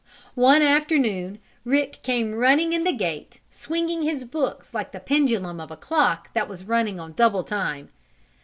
One afternoon Rick came running in the gate, swinging his books like the pendulum of a clock that was running on double time.